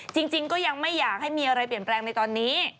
จริงก็ยังไม่อยากให้มีอะไรเปลี่ยนแปลงในตอนนี้